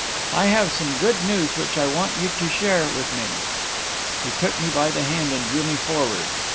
'I have some good news which I want you to share with me.' He took me by the hand and drew me forward.